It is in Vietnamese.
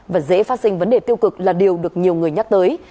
và dễ phát sinh vấn đề tiêu cực là điều được nhiều người nhắc tới